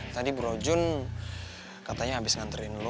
tadi bro jun katanya abis nganterin lu